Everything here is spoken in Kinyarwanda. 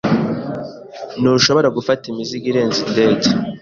Ntushobora gufata imizigo irenze indege.